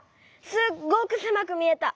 すっごくせまくみえた。